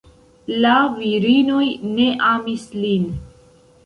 La virinoj ne amis lin.